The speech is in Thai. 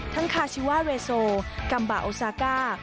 คาชิวาเรโซกัมบาโอซาก้า